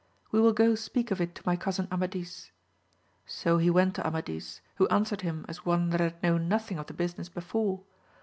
We will go speak of it to my cousin Amadis. So he went to Amadis, who answered him as one that had known nothing of the business before.